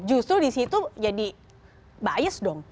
justru disitu jadi bias dong